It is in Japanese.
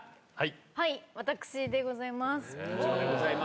はい、私でございます。